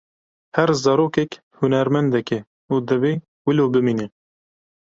Her zarokek hunermendek e, û divê wilo bimîne.